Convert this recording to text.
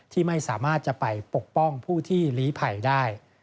ที่ไม่สามารถจะไปปกป้องผู้ที่ลีภัยได้